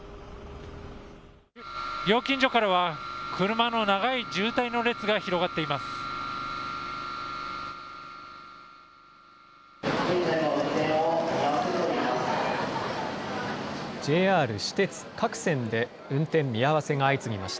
料金所からは、車の長い渋滞の列が広がっています。